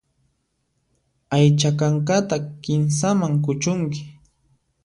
Aycha kankata kinsaman kuchunki.